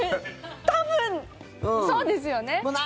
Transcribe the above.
多分そうですよね。